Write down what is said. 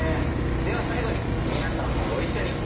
では最後に皆さんもご一緒に。